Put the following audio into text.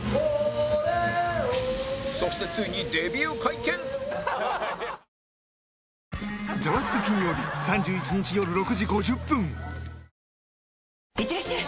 そしていってらっしゃい！